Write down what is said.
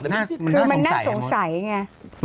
คือมันน่าสงสัยไง